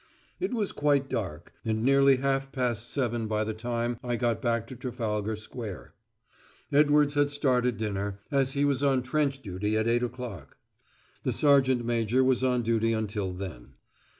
It was quite dark, and nearly half past seven by the time I got back to Trafalgar Square. Edwards had started dinner, as he was on trench duty at eight o'clock. The sergeant major was on duty until then.